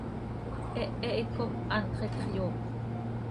Hehe hipcop hantx iicx yoop.